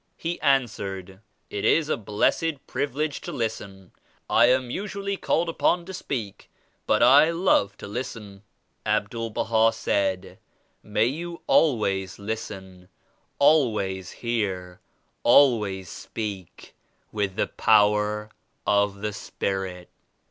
He answered, "It is a blessed privilege to listen. I am usually called upon to speak but I love to listen." Abdul Baha said, "May you always listen, always hear, always speak with the power of the Spirit."